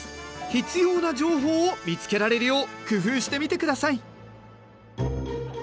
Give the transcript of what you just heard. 必要な情報を見つけられるよう工夫してみてください。